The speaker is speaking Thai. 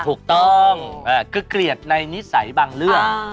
ถูกต้องคือเกลียดในนิสัยบางเรื่อง